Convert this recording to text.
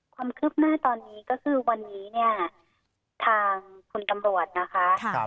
ความคืบหน้าตอนนี้ก็คือวันนี้เนี่ยทางคุณตำรวจนะคะ